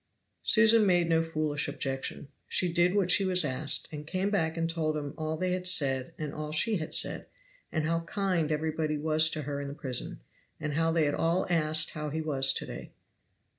Susan made no foolish objection. She did what she was asked, and came back and told him all they had said and all she had said; and how kind everybody was to her in the prison; and how they had all asked how he was to day.